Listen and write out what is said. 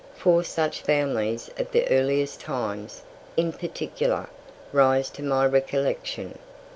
Four such families of the earliest times, in particular, rise to my recollection.